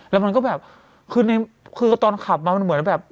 แล้วมันก็แบบคือตอนขับมามันเหมือนแบบ